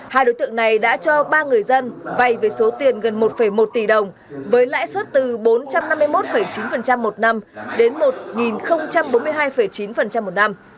hai đối tượng này đã cho ba người dân vay với số tiền gần một một tỷ đồng với lãi suất từ bốn trăm năm mươi một chín một năm đến một bốn mươi hai chín một năm